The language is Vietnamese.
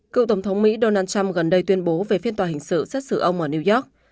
cựu tổng thống mỹ donald trump gần đây tuyên bố về phiên tòa hình sự xét xử ông ở new york